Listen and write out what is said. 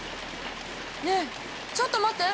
ねえちょっと待って！